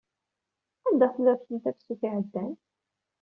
Anda telliḍ kemm tafsut iɛedda?